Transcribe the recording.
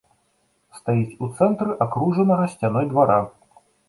Стаіць у цэнтры акружанага сцяной двара.